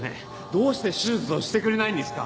どうして手術をしてくれないんですか？